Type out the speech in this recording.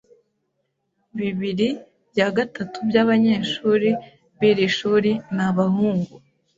Bibiri bya gatatu by'abanyeshuri b'iri shuri ni abahungu.